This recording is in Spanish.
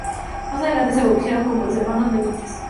Más adelante se bautizaron como "Los hermanos Benítez".